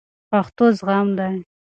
پښتو زغم دی